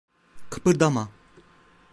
Kıpırdama!